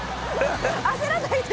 焦らないで。